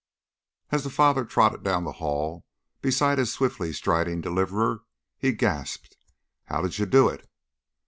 As the father trotted down the hall beside his swiftly striding deliverer, he gasped, "How'd you do it?"